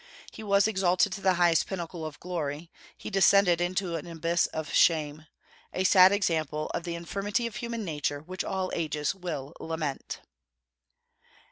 He was exalted to the highest pinnacle of glory; he descended to an abyss of shame, a sad example of the infirmity of human nature which all ages will lament.